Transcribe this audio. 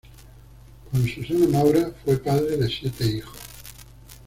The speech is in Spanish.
Con Susana Maura fue padre de siete hijos.